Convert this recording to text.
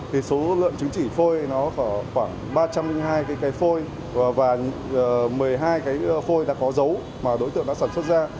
thì số lợn chứng chỉ phôi nó khoảng ba trăm linh hai cái phôi và một mươi hai cái phôi đã có dấu mà đối tượng đã sản xuất ra